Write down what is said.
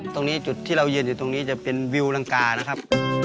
ตรงนี้จุดที่เรายืนอยู่ตรงนี้จะเป็นวิวรังกานะครับ